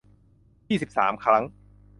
ยี่สิบสาม ครั้ง